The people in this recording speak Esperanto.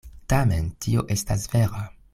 Tamen tio estas vera.